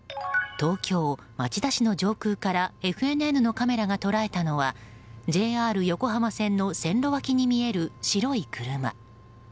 東京・町田市の上空からＦＮＮのカメラが捉えたのはＪＲ横浜線の線路脇に見える白い車。